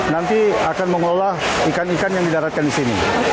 nanti akan mengolah ikan ikan yang didaratkan di sini